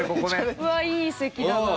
うわいい席だなあ。